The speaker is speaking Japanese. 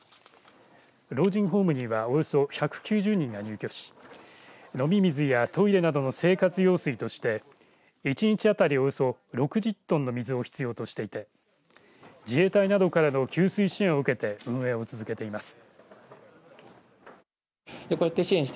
老人ホームにはおよそ１９０人が入居し飲み水やトイレなどの生活用水として１日当たり、およそ６０トンの水を必要としていて自衛隊などからの給水支援を受けて運営を続けています。